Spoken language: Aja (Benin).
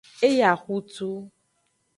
E yi axutu.